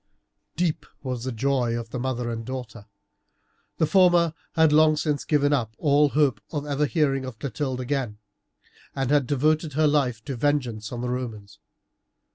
Deep was the joy of the mother and daughter. The former had long since given up all hope of ever hearing of Clotilde again, and had devoted her life to vengeance on the Romans.